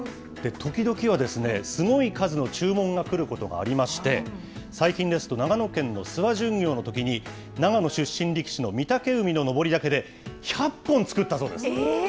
時々はすごい数の注文がくることがありまして、最近ですと、長野県の諏訪巡業のときに、長野出身力士の御嶽海ののぼりだけで、１００本作ったそうです。